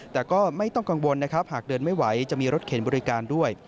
แต่ก็ไม่ต้องกังวลนะครับหากเดินไม่ไหวจะมีรถเข็นบริการด้วย